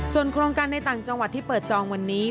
ส่วนโครงการในต่างจังหวัดที่เปิดจองวันนี้